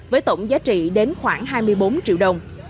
với tổng giá trị đến khoảng hai mươi bốn triệu đồng